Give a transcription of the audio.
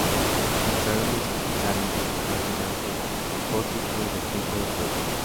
Entraron y se sentaron a hablar delante del pórtico del templo de Zeus.